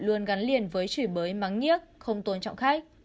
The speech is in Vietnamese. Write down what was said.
luôn gắn liền với chửi bới mắng nhác không tôn trọng khách